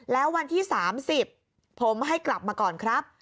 แล้ววันที่๓๐ผมให้กลับมาก่อนครับ